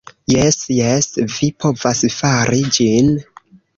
Jes jes, vi povas fari ĝin.